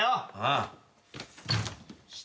ああ。